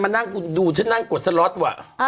นั่งคุณดูฉันนั่งกดสล็อตว่ะ